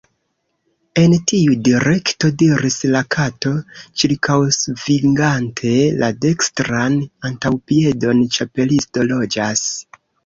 "En tiu direkto," diris la Kato, ĉirkaŭsvingante la dekstran antaŭpiedon, "Ĉapelisto loĝas. »